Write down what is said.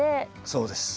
そうです。